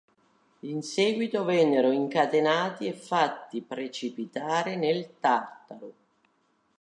In seguito vennero incatenati e fatti precipitare nel Tartaro.